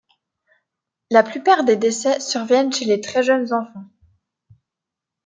La plupart des décès surviennent chez les très jeunes enfants.